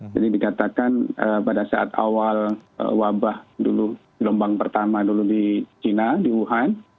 jadi dikatakan pada saat awal wabah dulu gelombang pertama dulu di china di wuhan